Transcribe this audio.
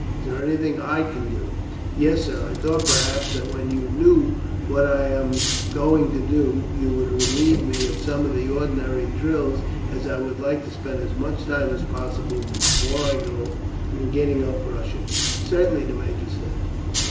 Is there anything I can do?" "Yes, sir. I thought, perhaps, that when you knew what I am going to do, you would relieve me of some of the ordinary drills, as I should like to spend as much time as possible before I go, in getting up Russian." "Certainty," the major said.